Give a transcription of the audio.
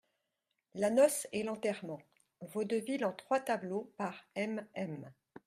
=La Noce et l'Enterrement.= Vaudeville en trois tableaux, par MM.